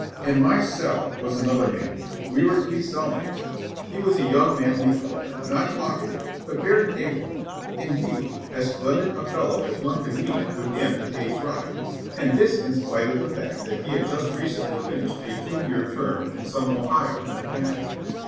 In my cell was another man. We were to be cell mates. He was a young, manly fellow, not talkative, but very capable, indeed as splendid a fellow as one could meet with in a day's ride, and this in spite of the fact that he had just recently finished a two year term in some Ohio penitentiary.